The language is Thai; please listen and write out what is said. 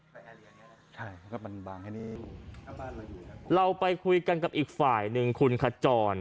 ใช่ก็เป็นบางแค่นี้เราไปคุยกันกับอีกฝ่ายหนึ่งคุณขจร